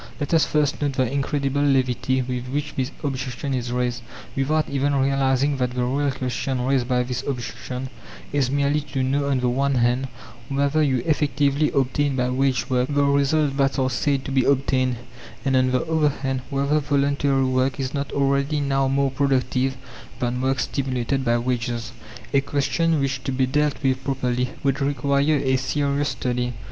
Let us first note the incredible levity with which this objection is raised, without even realizing that the real question raised by this objection is merely to know, on the one hand, whether you effectively obtain by wage work, the results that are said to be obtained, and, on the other hand, whether voluntary work is not already now more productive than work stimulated by wages. A question which, to be dealt with properly, would require a serious study.